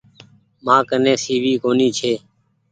مآ ڪني سي وي ڪونيٚ ڇي۔